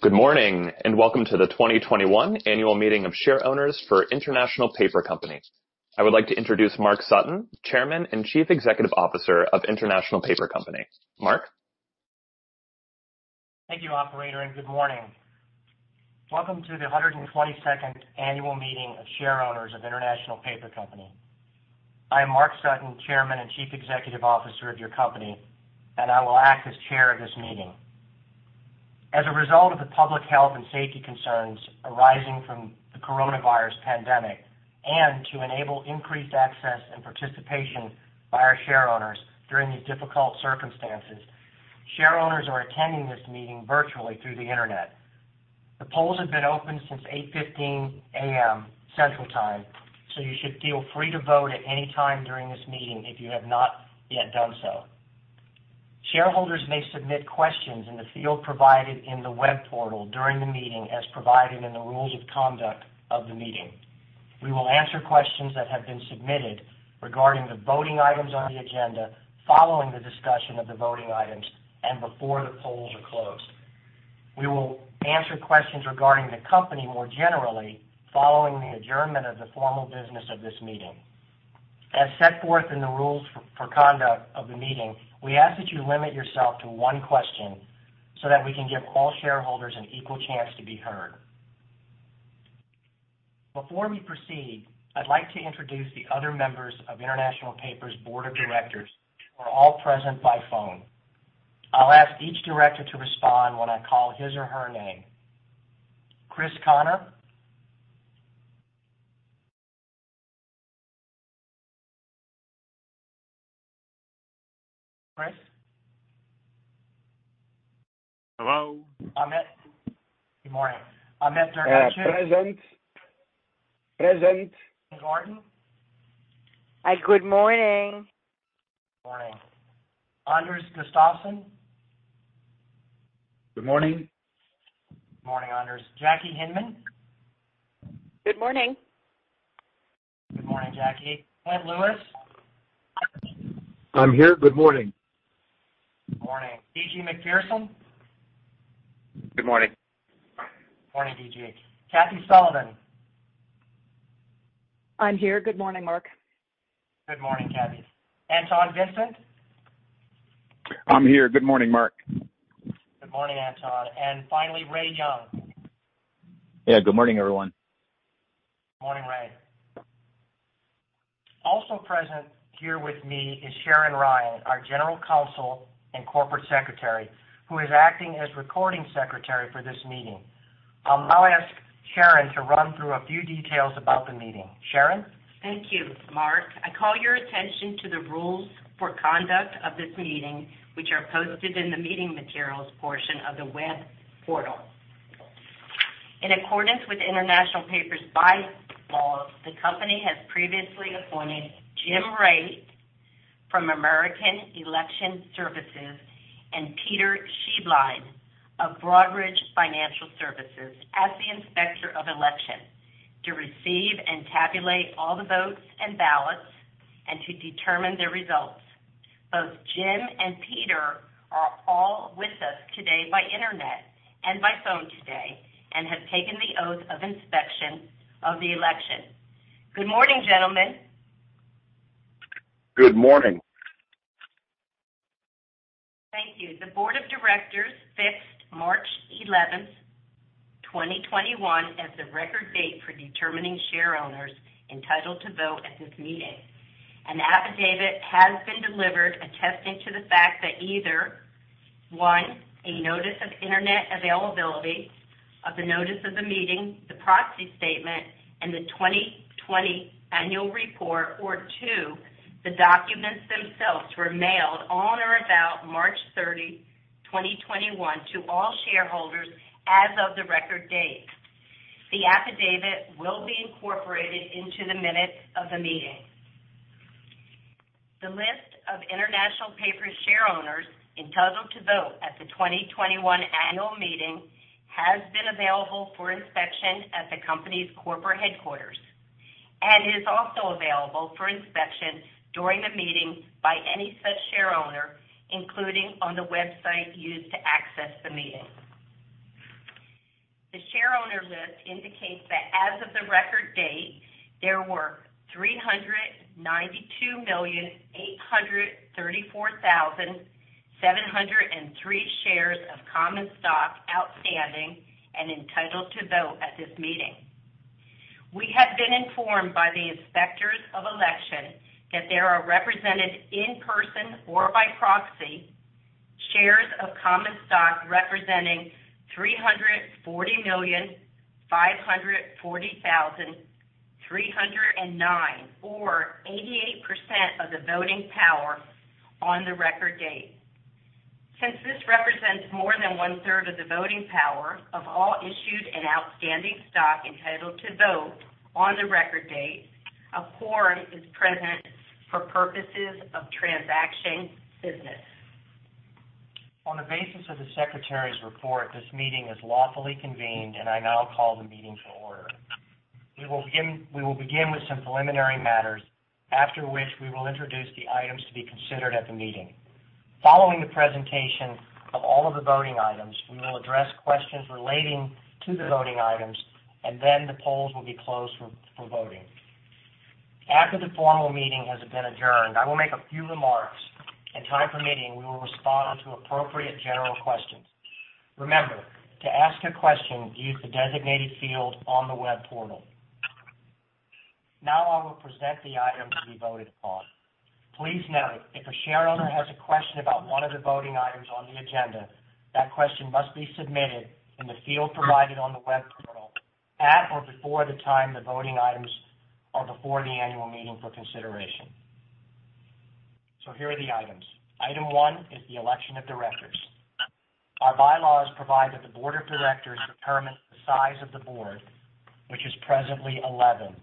Good morning and welcome to the 2021 Annual Meeting of Shareowners for International Paper Company. I would like to introduce Mark Sutton, Chairman and Chief Executive Officer of International Paper Company. Mark? Thank you, Operator, and good morning. Welcome to the 122nd Annual Meeting of Shareowners of International Paper Company. I am Mark Sutton, Chairman and Chief Executive Officer of your company, and I will act as Chair of this meeting. As a result of the public health and safety concerns arising from the coronavirus pandemic and to enable increased access and participation by our shareowners during these difficult circumstances, shareowners are attending this meeting virtually through the Internet. The polls have been open since 8:15 A.M. Central Time, so you should feel free to vote at any time during this meeting if you have not yet done so. Shareholders may submit questions in the field provided in the web portal during the meeting as provided in the rules of conduct of the meeting. We will answer questions that have been submitted regarding the voting items on the agenda following the discussion of the voting items and before the polls are closed. We will answer questions regarding the company more generally following the adjournment of the formal business of this meeting. As set forth in the rules for conduct of the meeting, we ask that you limit yourself to one question so that we can give all shareholders an equal chance to be heard. Before we proceed, I'd like to introduce the other members of International Paper's Board of Directors who are all present by phone. I'll ask each director to respond when I call his or her name. Chris Connor? Chris? Hello. Ahmet? Good morning. Ahmet Dördüncü? Present. Present. Gordon? Good morning. Morning. Anders Gustafsson? Good morning. Morning, Anders. Jackie Hinman? Good morning. Good morning, Jackie. Clint Lewis? I'm here. Good morning. Morning. D.G. Macpherson? Good morning. Morning, D.G. Kathy Sullivan? I'm here. Good morning, Mark. Good morning, Kathy. Anton Vincent? I'm here. Good morning, Mark. Good morning, Anton, and finally, Ray Young. Yeah. Good morning, everyone. Morning, Ray. Also present here with me is Sharon Ryan, our General Counsel and Corporate Secretary, who is acting as Recording Secretary for this meeting. I'll now ask Sharon to run through a few details about the meeting. Sharon? Thank you, Mark. I call your attention to the rules for conduct of this meeting, which are posted in the meeting materials portion of the web portal. In accordance with International Paper's bylaws, the company has previously appointed Jim Wray from American Election Services and Peter Scheibelein of Broadridge Financial Services as the Inspector of Election to receive and tabulate all the votes and ballots and to determine the results. Both Jim and Peter are all with us today by Internet and by phone today and have taken the oath of inspection of the election. Good morning, gentlemen. Good morning. Thank you. The Board of Directors fixed March 11th, 2021, as the record date for determining shareowners entitled to vote at this meeting. An affidavit has been delivered attesting to the fact that either, one, a notice of internet availability of the notice of the meeting, the proxy statement, and the 2020 annual report, or two, the documents themselves were mailed on or about March 30, 2021, to all shareholders as of the record date. The affidavit will be incorporated into the minutes of the meeting. The list of International Paper's shareowners entitled to vote at the 2021 annual meeting has been available for inspection at the company's corporate headquarters and is also available for inspection during the meeting by any such shareowner, including on the website used to access the meeting. The shareowner list indicates that as of the record date, there were 392,834,703 shares of common stock outstanding and entitled to vote at this meeting. We have been informed by the Inspectors of Election that there are represented in person or by proxy shares of common stock representing 340,540,309, or 88% of the voting power on the record date. Since this represents more than one-third of the voting power of all issued and outstanding stock entitled to vote on the record date, a quorum is present for purposes of transacting business. On the basis of the Secretary's report, this meeting is lawfully convened, and I now call the meeting to order. We will begin with some preliminary matters, after which we will introduce the items to be considered at the meeting. Following the presentation of all of the voting items, we will address questions relating to the voting items, and then the polls will be closed for voting. After the formal meeting has been adjourned, I will make a few remarks. In time for meeting, we will respond to appropriate general questions. Remember, to ask a question, use the designated field on the web portal. Now I will present the items to be voted upon. Please note, if a shareowner has a question about one of the voting items on the agenda, that question must be submitted in the field provided on the web portal at or before the time the voting items are before the annual meeting for consideration. So here are the items. Item one is the election of directors. Our bylaws provide that the Board of Directors determines the size of the board, which is presently 11.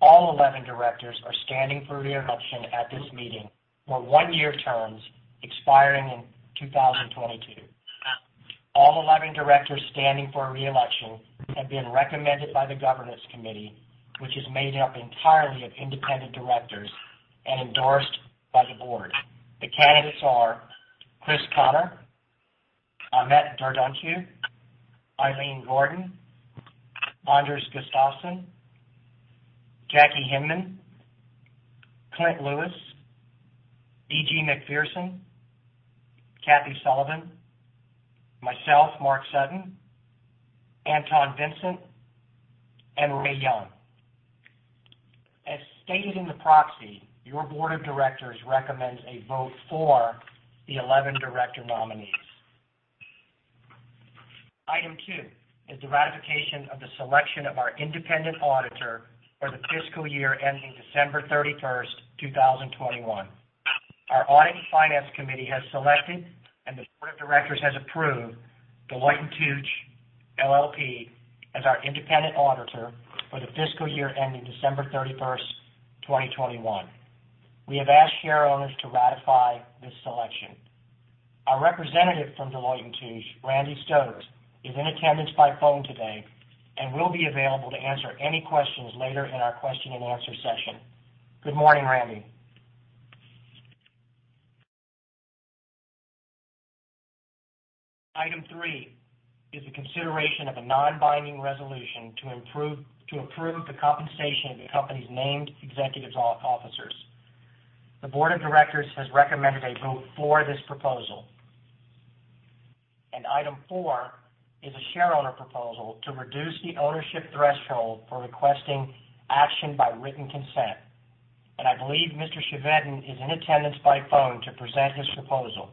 All 11 directors are standing for re-election at this meeting for one-year terms expiring in 2022. All 11 directors standing for re-election have been recommended by the Governance Committee, which is made up entirely of independent directors and endorsed by the board. The candidates are Chris Connor, Ahmet Dördüncü, Ilene Gordon, Anders Gustafsson, Hinman, Clint Lewis, D.G. Macpherson, Kathy Sullivan, myself, Mark Sutton, Anton Vincent, and Ray Young. As stated in the proxy, your Board of Directors recommends a vote for the 11 director nominees. Item two is the ratification of the selection of our independent auditor for the fiscal year ending December 31st, 2021. Our Audit and Finance Committee has selected, and the Board of Directors has approved Deloitte & Touche LLP as our independent auditor for the fiscal year ending December 31st, 2021. We have asked shareowners to ratify this selection. Our representative from Deloitte & Touche, Randy Stokes, is in attendance by phone today and will be available to answer any questions later in our question-and-answer session. Good morning, Randy. Item three is the consideration of a non-binding resolution to approve the compensation of the company's named executive officers. The Board of Directors has recommended a vote for this proposal. And item four is a shareowner proposal to reduce the ownership threshold for requesting action by written consent. And I believe Mr. Chevedden is in attendance by phone to present his proposal.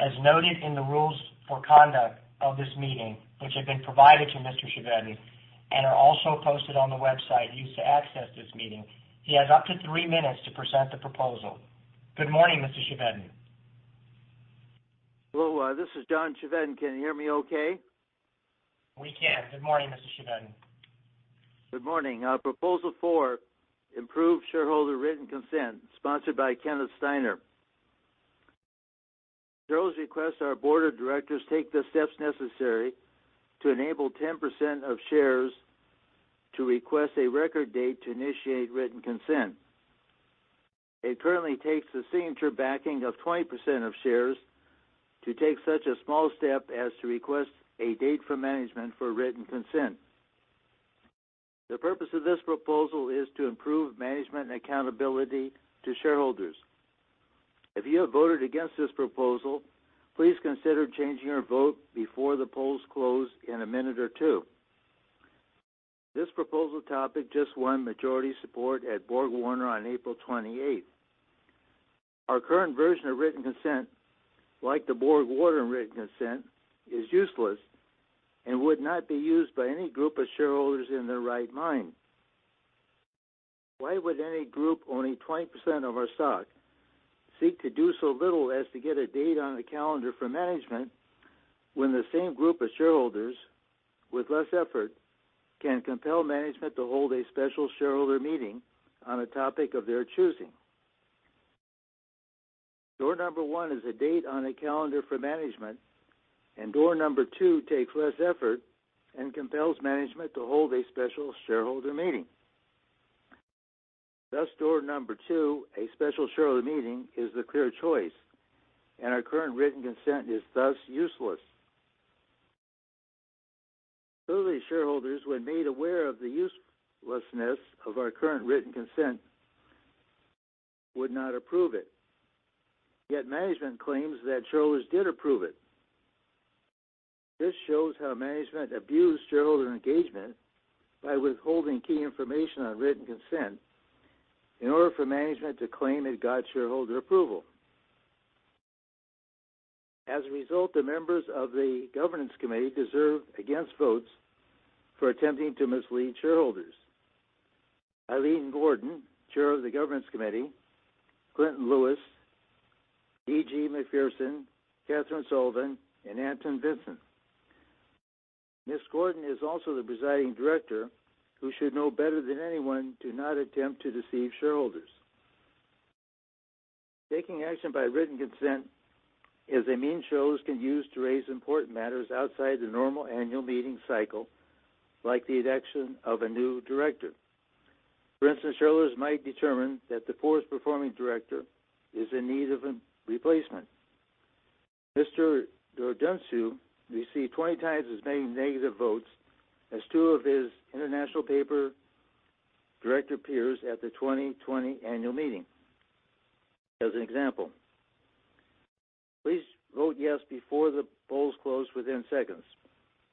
As noted in the rules for conduct of this meeting, which have been provided to Mr. Chevedden and are also posted on the website used to access this meeting, he has up to three minutes to present the proposal. Good morning, Mr. Chevedden. Hello. This is John Chevedden. Can you hear me okay? We can. Good morning, Mr. Chevedden. Good morning. Proposal four, improve shareholder written consent, sponsored by Kenneth Steiner. Shareholders request our Board of Directors take the steps necessary to enable 10% of shares to request a record date to initiate written consent. It currently takes the signature backing of 20% of shares to take such a small step as to request a date from management for written consent. The purpose of this proposal is to improve management accountability to shareholders. If you have voted against this proposal, please consider changing your vote before the polls close in a minute or two. This proposal topic just won majority support at BorgWarner on April 28th. Our current version of written consent, like the BorgWarner written consent, is useless and would not be used by any group of shareholders in their right mind. Why would any group owning 20% of our stock seek to do so little as to get a date on the calendar for management when the same group of shareholders, with less effort, can compel management to hold a special shareholder meeting on a topic of their choosing? Door number one is a date on the calendar for management, and door number two takes less effort and compels management to hold a special shareholder meeting. Thus, door number two, a special shareholder meeting, is the clear choice, and our current written consent is thus useless. Those shareholders, when made aware of the uselessness of our current written consent, would not approve it. Yet management claims that shareholders did approve it. This shows how management abused shareholder engagement by withholding key information on written consent in order for management to claim it got shareholder approval. As a result, the members of the Governance Committee deserve against votes for attempting to mislead shareholders: Ilene Gordon, Chair of the Governance Committee, Clint Lewis, D.G. Macpherson, Kathryn Sullivan, and Anton Vincent. Ms. Gordon is also the presiding director who should know better than anyone to not attempt to deceive shareholders. Taking action by written consent is a means shareholders can use to raise important matters outside the normal annual meeting cycle, like the election of a new director. For instance, shareholders might determine that the poorest performing director is in need of a replacement. Mr. Dördüncü received 20 times as many negative votes as two of his International Paper Director peers at the 2020 annual meeting. As an example, please vote yes before the polls close within seconds.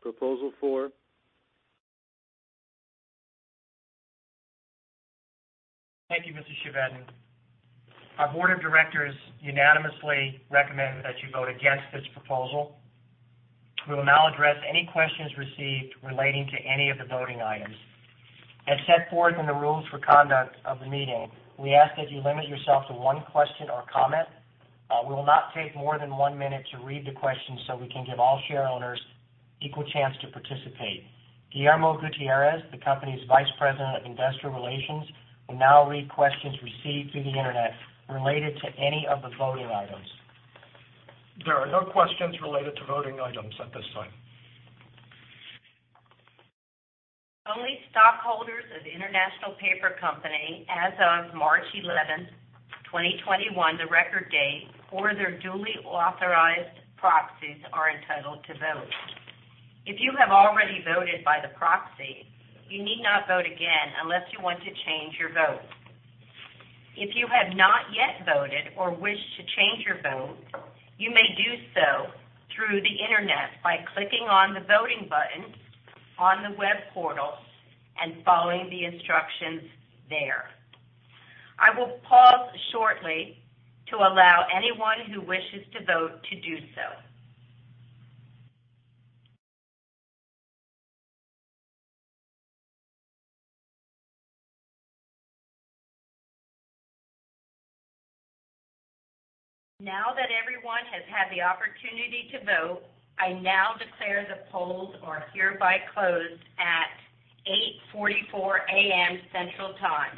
Proposal four. Thank you, Mr. Chevedden. Our Board of Directors unanimously recommend that you vote against this proposal. We will now address any questions received relating to any of the voting items. As set forth in the rules for conduct of the meeting, we ask that you limit yourself to one question or comment. We will not take more than one minute to read the questions so we can give all shareholders equal chance to participate. Guillermo Gutierrez, the company's Vice President of Investor Relations, will now read questions received through the Internet related to any of the voting items. There are no questions related to voting items at this time. Only stockholders of the International Paper Company, as of March 11th, 2021, the record date, or their duly authorized proxies are entitled to vote. If you have already voted by the proxy, you need not vote again unless you want to change your vote. If you have not yet voted or wish to change your vote, you may do so through the Internet by clicking on the voting button on the web portal and following the instructions there. I will pause shortly to allow anyone who wishes to vote to do so. Now that everyone has had the opportunity to vote, I now declare the polls are hereby closed at 8:44 A.M. Central Time.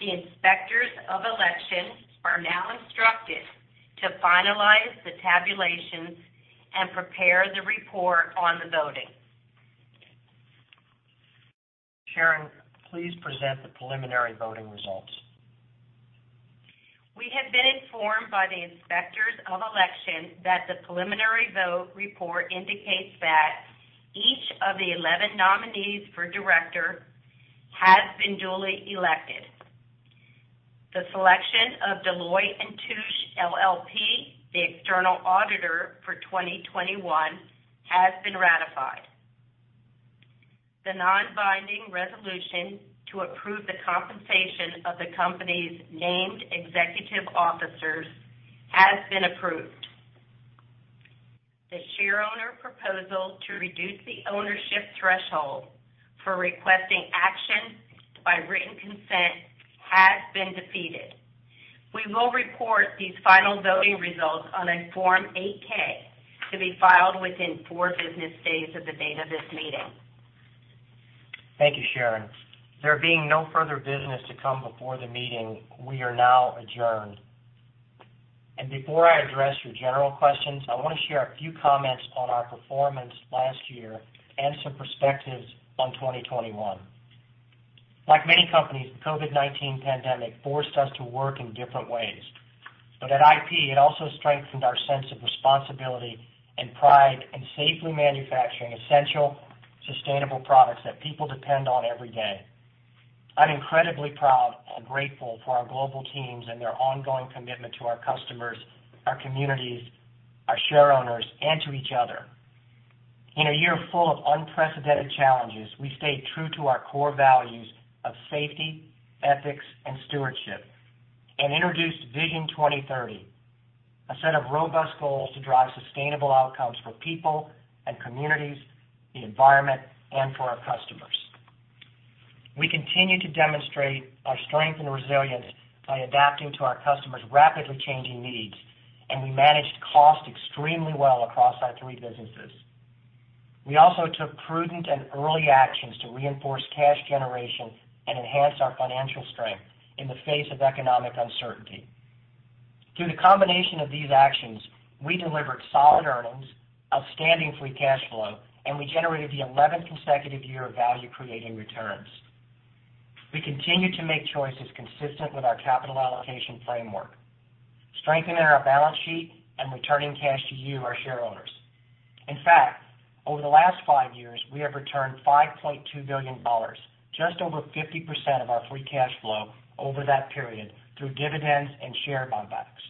The Inspectors of Election are now instructed to finalize the tabulation and prepare the report on the voting. Chairman, please present the preliminary voting results. We have been informed by the Inspectors of Election that the preliminary vote report indicates that each of the 11 nominees for director has been duly elected. The selection of Deloitte & Touche LLP, the external auditor for 2021, has been ratified. The non-binding resolution to approve the compensation of the company's named executive officers has been approved. The shareowner proposal to reduce the ownership threshold for requesting action by written consent has been defeated. We will report these final voting results on a Form 8-K to be filed within four business days of the date of this meeting. Thank you, Sharon. There being no further business to come before the meeting, we are now adjourned. And before I address your general questions, I want to share a few comments on our performance last year and some perspectives on 2021. Like many companies, the COVID-19 pandemic forced us to work in different ways. But at IP, it also strengthened our sense of responsibility and pride in safely manufacturing essential, sustainable products that people depend on every day. I'm incredibly proud and grateful for our global teams and their ongoing commitment to our customers, our communities, our shareowners, and to each other. In a year full of unprecedented challenges, we stayed true to our core values of safety, ethics, and stewardship, and introduced Vision 2030, a set of robust goals to drive sustainable outcomes for people and communities, the environment, and for our customers. We continue to demonstrate our strength and resilience by adapting to our customers' rapidly changing needs, and we managed cost extremely well across our three businesses. We also took prudent and early actions to reinforce cash generation and enhance our financial strength in the face of economic uncertainty. Through the combination of these actions, we delivered solid earnings, outstanding free cash flow, and we generated the 11th consecutive year of value-creating returns. We continue to make choices consistent with our capital allocation framework, strengthening our balance sheet and returning cash to you, our shareholders. In fact, over the last five years, we have returned $5.2 billion, just over 50% of our free cash flow over that period through dividends and share buybacks,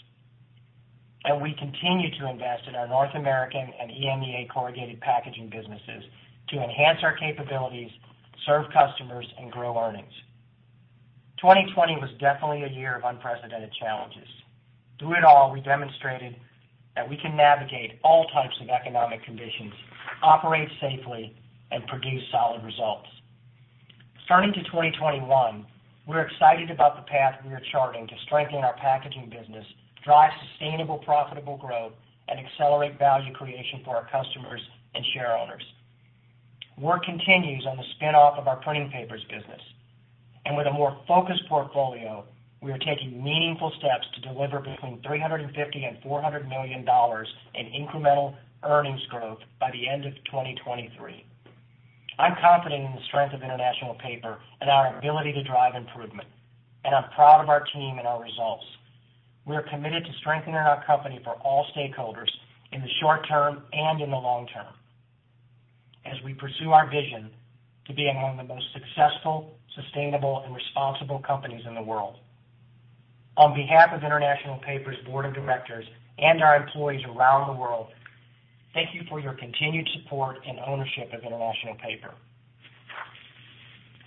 and we continue to invest in our North American and EMEA corrugated packaging businesses to enhance our capabilities, serve customers, and grow earnings. 2020 was definitely a year of unprecedented challenges. Through it all, we demonstrated that we can navigate all types of economic conditions, operate safely, and produce solid results. Turning to 2021, we're excited about the path we are charting to strengthen our packaging business, drive sustainable, profitable growth, and accelerate value creation for our customers and shareholders. Work continues on the spinoff of our printing papers business, and with a more focused portfolio, we are taking meaningful steps to deliver between $350 million and $400 million in incremental earnings growth by the end of 2023. I'm confident in the strength of International Paper and our ability to drive improvement, and I'm proud of our team and our results. We are committed to strengthening our company for all stakeholders in the short term and in the long term as we pursue our vision to be among the most successful, sustainable, and responsible companies in the world. On behalf of International Paper's Board of Directors and our employees around the world, thank you for your continued support and ownership of International Paper.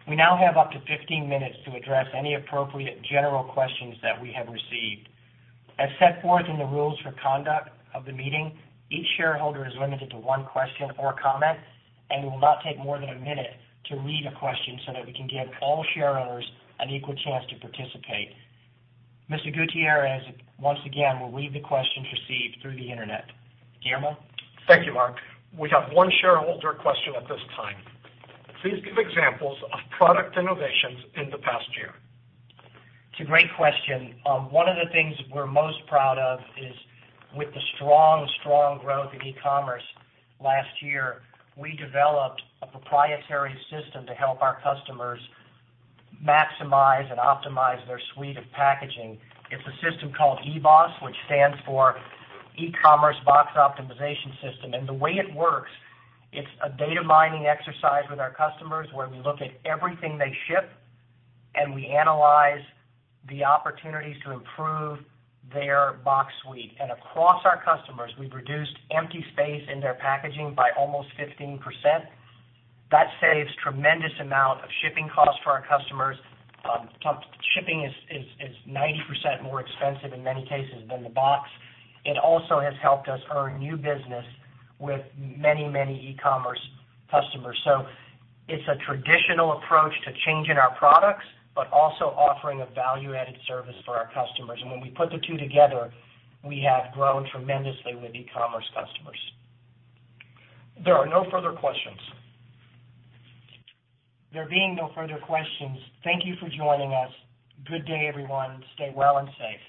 We now have up to 15 minutes to address any appropriate general questions that we have received. As set forth in the rules for conduct of the meeting, each shareholder is limited to one question or comment, and we will not take more than a minute to read a question so that we can give all shareholders an equal chance to participate. Mr. Gutierrez, once again, will read the questions received through the Internet. Guillermo? Thank you, Mark. We have one shareholder question at this time. Please give examples of product innovations in the past year. It's a great question. One of the things we're most proud of is, with the strong, strong growth in e-commerce last year, we developed a proprietary system to help our customers maximize and optimize their suite of packaging. It's a system called eBOSS, which stands for E-commerce Box Optimization System. And the way it works, it's a data mining exercise with our customers where we look at everything they ship, and we analyze the opportunities to improve their box suite. And across our customers, we've reduced empty space in their packaging by almost 15%. That saves a tremendous amount of shipping costs for our customers. Shipping is 90% more expensive in many cases than the box. It also has helped us earn new business with many, many e-commerce customers. So it's a traditional approach to changing our products, but also offering a value-added service for our customers. When we put the two together, we have grown tremendously with e-commerce customers. There are no further questions. There being no further questions, thank you for joining us. Good day, everyone. Stay well and safe.